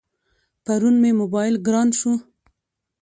پرون مې موبایل گران شو.